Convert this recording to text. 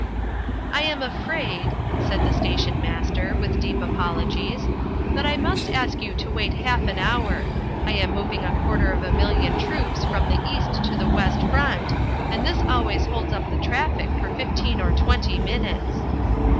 "I am afraid," said the station master, with deep apologies, "that I must ask you to wait half an hour. I am moving a quarter of a million troops from the east to the west front, and this always holds up the traffic for fifteen or twenty minutes."